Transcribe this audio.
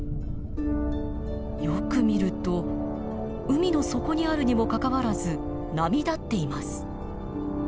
よく見ると海の底にあるにもかかわらず波立っています。